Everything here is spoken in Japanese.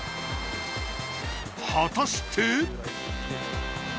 果たして。